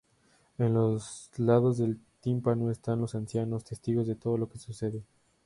En los lados del tímpano están los ancianos, testigos de todo lo que sucede.